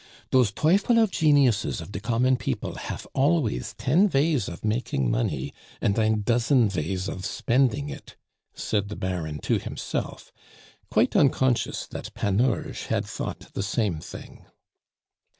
"Dose teufel of geniuses of de common people hafe alvays ten vays of making money, and ein dozen vays of spending it," said the Baron to himself, quite unconscious that Panurge had thought the same thing.